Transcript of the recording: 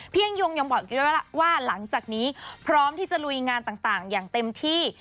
ยังยงยังบอกอีกด้วยว่าหลังจากนี้พร้อมที่จะลุยงานต่างอย่างเต็มที่